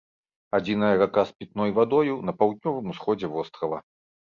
Адзіная рака з пітной вадою на паўднёвым усходзе вострава.